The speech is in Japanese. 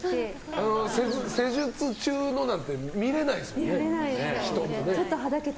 施術中のなんて見れないですもんね、人のね。